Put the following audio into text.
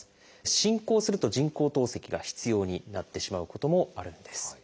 進行すると人工透析が必要になってしまうこともあるんです。